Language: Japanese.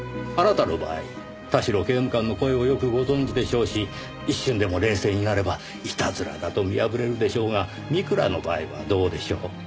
あなたの場合田代刑務官の声をよくご存じでしょうし一瞬でも冷静になればいたずらだと見破れるでしょうが美倉の場合はどうでしょう？